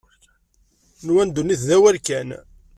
Nwan ddunit d awal kan.